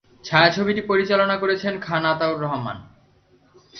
ছায়াছবিটি পরিচালনা করেছেন খান আতাউর রহমান।